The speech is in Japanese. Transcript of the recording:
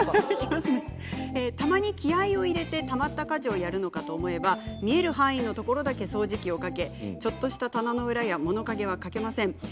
「たまに気合いを入れてたまった家事をやるのかと思えば見える範囲のところだけ掃除機をかけちょっとした棚の裏や物陰はかけません。